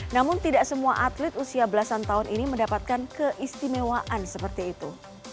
namun tidak semua atlet usia belasan tahun ini mendapatkan keistimewaan seperti itu